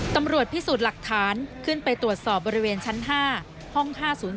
ตำรวจพิสูจน์หลักฐานขึ้นไปตรวจสอบบริเวณชั้น๕ห้อง๕๐๔